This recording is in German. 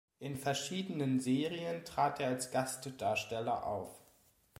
In verschiedenen Serien trat er als Gastdarsteller auf.